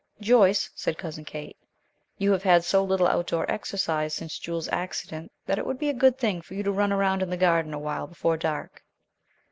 "Joyce," said Cousin Kate, "you have had so little outdoor exercise since Jules's accident that it would be a good thing for you to run around in the garden awhile before dark."